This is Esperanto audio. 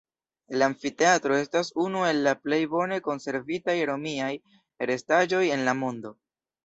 La amfiteatro estas unu el la plej bone konservitaj romiaj restaĵoj en la mondo.